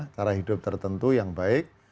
cara hidup tertentu yang baik